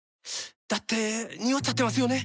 だってニオっちゃってますよね。